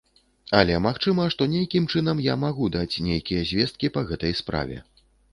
Але магчыма, што нейкім чынам я магу даць нейкія звесткі па гэтай справе.